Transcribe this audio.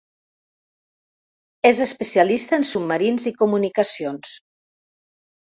És especialista en Submarins i Comunicacions.